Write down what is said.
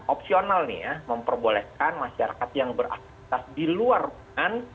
opsional memperbolehkan masyarakat yang beraktivitas di luar ruangan